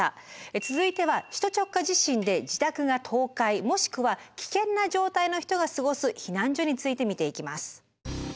続いては首都直下地震で自宅が倒壊もしくは危険な状態の人が過ごす避難所について見ていきます。